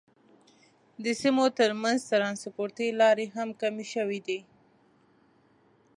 د سیمو تر منځ ترانسپورتي لارې هم کمې شوې دي.